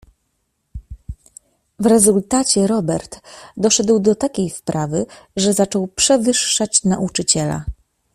"W rezultacie Robert doszedł do takiej wprawy, że zaczął przewyższać nauczyciela."